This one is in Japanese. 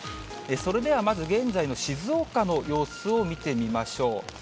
それではまず現在の静岡の様子を見てみましょう。